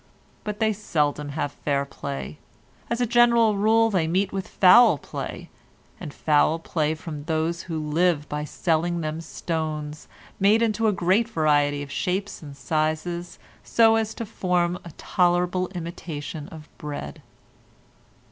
But they seldom have fair play; as a general rule they meet with foul play, and foul play from those who live by selling them stones made into a great variety of shapes and sizes so as to form a tolerable imitation of bread.